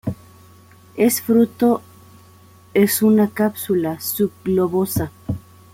Es fruto es una cápsula, subglobosa.